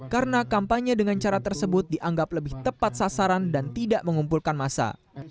karena kampanye dengan cara tersebut dianggap lebih tepat sasaran dan tidak mengumpulkan masa